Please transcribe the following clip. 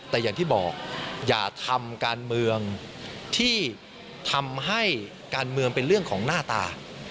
แต่อย่างที่บอกอย่าทำการเมืองที่ทำให้การเมืองเป็นเรื่องของหน้าตา